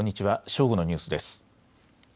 正午のニュースです。